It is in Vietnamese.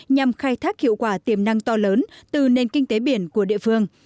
nhằm khai thác hiệu quả tiềm năng to lớn từ nền kinh tế biển của địa phương